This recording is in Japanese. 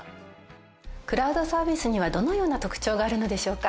クラウドサービスにはどのような特長があるのでしょうか？